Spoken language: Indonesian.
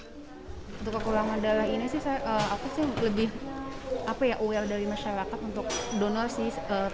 untuk kekurangan darah ini sih aku sih lebih aware dari masyarakat untuk donor sih